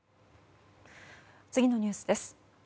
次のニュースです。